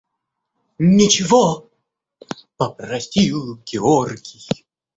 – Ничего, – попросил Георгий.